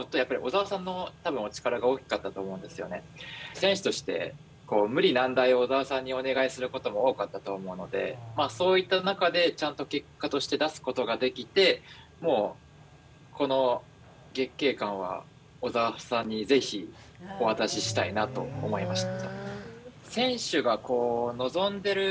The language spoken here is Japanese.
選手として無理難題を小澤さんにお願いすることも多かったと思うのでそういった中でちゃんと結果として出すことができてもうこの月桂冠は小澤さんにぜひお渡ししたいなと思いました。